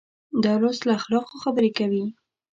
دا لوست له اخلاقو خبرې کوي.